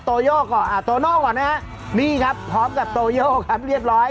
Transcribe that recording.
โยก่อนอ่าโตโน่ก่อนนะฮะนี่ครับพร้อมกับโตโยครับเรียบร้อย